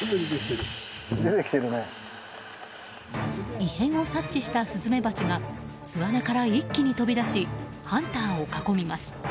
異変を察知したスズメバチが巣穴から一気に飛び出しハンターを囲みます。